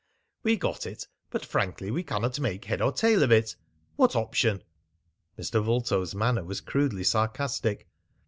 "We got it, but frankly we cannot make head or tail of it! ... What option?" Mr. Vulto's manner was crudely sarcastic.